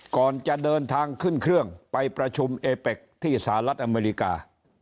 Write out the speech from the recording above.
ก่อนจะเดินทางขึ้นเครื่องไปประชุมเอเป็กที่สหรัฐอเมริกา